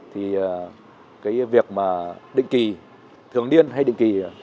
thì việc định kỳ thường niên hay định kỳ